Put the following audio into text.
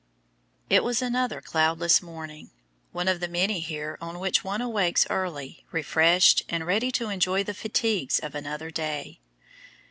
It was another cloudless morning, one of the many here on which one awakes early, refreshed, and ready to enjoy the fatigues of another day.